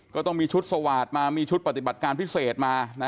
ก็ต้องมีชุดสวาสตร์มามีชุดปฏิบัติการพิเศษมานะ